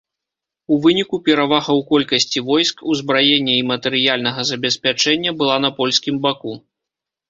У выніку перавага ў колькасці войск, узбраення і матэрыяльнага забеспячэння была на польскім баку.